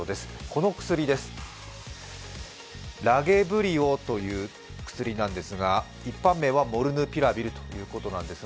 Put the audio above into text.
この薬です、ラゲブリオという、薬なんですが一般名はモルヌピラビルということです。